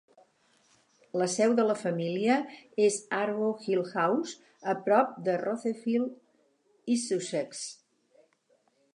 La seu de la família és Argo Hill House, a prop de Rotherfield, East Sussex.